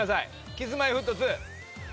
Ｋｉｓ−Ｍｙ−Ｆｔ２。